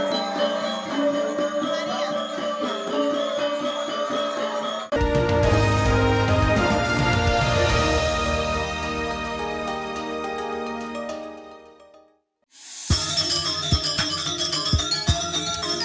mereka sampe yang lebihyi percaya consepi wira environment